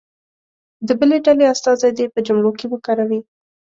د بلې ډلې استازی دې په جملو کې وکاروي.